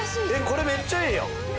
これめっちゃええやん。